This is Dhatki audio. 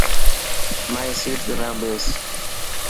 مائي سيٽ تي نه ٻيس.